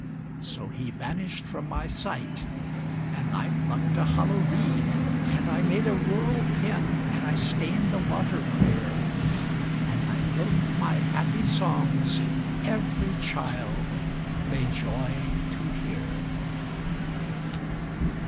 So he vanish'd from my sight, And I pluck'd a hollow reed, And I made a rural pen, And I stain'd the water clear, And I wrote my happy songs Every child may joy to hear.